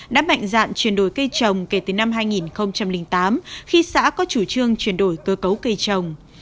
đã mạnh dạn chuyển đổi cây trồng kể từ năm hai nghìn tám khi xã có chủ trương chuyển đổi cơ cấu cây trồng